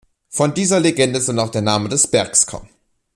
Von dieser Legende soll auch der Name des Bergs kommen.